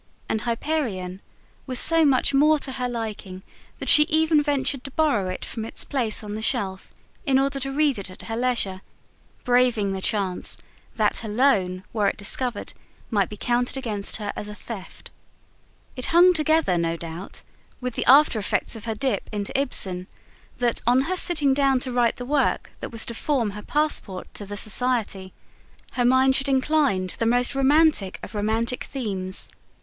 And HYPERION was so much more to her liking that she even ventured to borrow it from its place on the shelf, in order to read it at her leisure, braving the chance that her loan, were it discovered, might be counted against her as a theft. It hung together, no doubt, with the after effects of her dip into Ibsen that, on her sitting down to write the work that was to form her passport to the Society, her mind should incline to the most romantic of romantic themes.